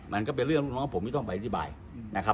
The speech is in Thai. มันก็เป็นเรื่องลูกน้องผมที่ต้องไปอธิบายนะครับ